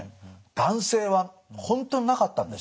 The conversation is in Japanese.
男性は本当になかったんです。